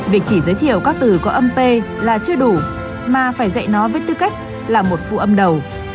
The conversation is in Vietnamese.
việc chỉ giới thiệu các từ có âm p là chưa đủ mà phải dạy nó với tư cách là một phụ âm đầu